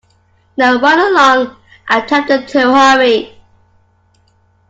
Now run along, and tell them to hurry.